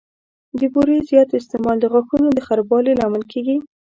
د بوري زیات استعمال د غاښونو د خرابوالي لامل کېږي.